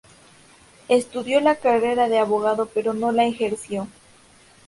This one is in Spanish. Estudió la carrera de abogado, pero no la ejerció.